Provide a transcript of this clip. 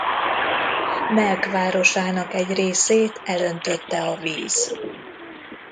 Melk városának egy részét elöntötte a víz.